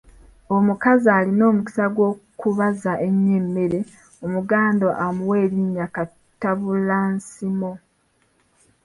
Omukazi alina omukisa gw’okubaza ennyo emmere Omuganda amuwa linnya Katabulansimo.